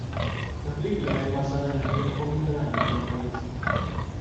La película es basada en la tira cómica Daniel el Travieso.